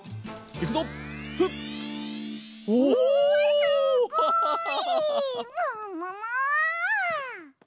すごい！ももも！